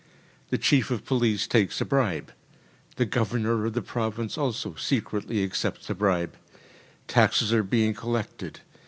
The chief of police takes a bribe. The governor of the province also secretly accepts a bribe. Taxes are being collected.